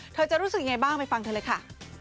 เธอจะรู้สึกยังไงบ้างไปฟังเธอเลยค่ะ